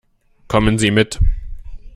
Kommen Sie mit.